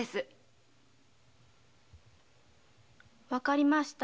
分かりました。